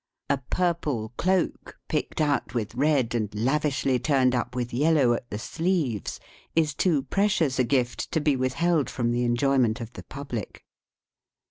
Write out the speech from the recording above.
A purple cloak picked out with red and lavishly turned up with yellow at the sleeves is too precious a gift to be withheld from the enjoyment of the public.